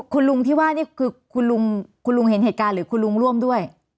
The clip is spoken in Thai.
คุณลุงที่ว่านี่คือคุณลุงคุณลุงเห็นเหตุการณ์หรือคุณลุงร่วมด้วย